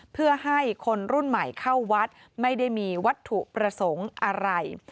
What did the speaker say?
เพื่อให้คนรุ่นใหม่เข้าวัดไม่ได้มีวัตถุประสงค์อะไร